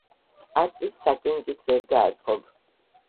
არწივს საკენკით ვერ გააძღობ